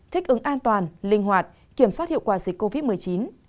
thích ứng an toàn linh hoạt kiểm soát hiệu quả dịch covid một mươi chín